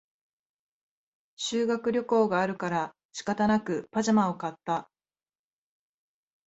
修学旅行があるから仕方なくパジャマを買った